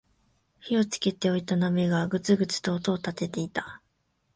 火をつけておいた鍋がグツグツと音を立てていた